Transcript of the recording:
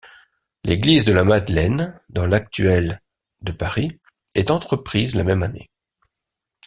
L’église de la Madeleine, dans l’actuel de Paris, est entreprise la même année.